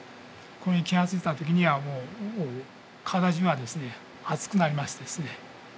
これに気が付いたときにはもう体じゅうがですね熱くなりましてですね